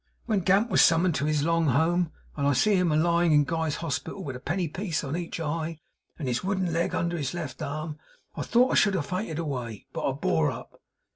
When Gamp was summoned to his long home, and I see him a lying in Guy's Hospital with a penny piece on each eye, and his wooden leg under his left arm, I thought I should have fainted away. But I bore up.